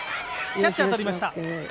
キャッチャー、とりました。